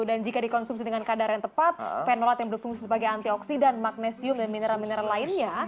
dan jika dikonsumsi dengan kadar yang tepat fenolat yang berfungsi sebagai antioksidan magnesium dan mineral mineral lainnya